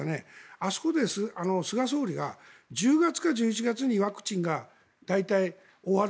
あそこで菅総理が１０月か１１月にワクチンが大体、終わる。